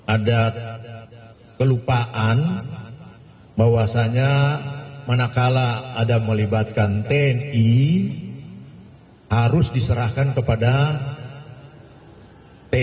ada kelupaan bahwasannya manakala ada melibatkan tni harus diserahkan kepada tni